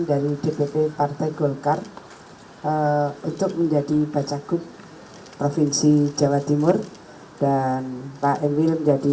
dari dpb partai golkar untuk menjadi baca gub provinsi jawa timur dan pak emil jadi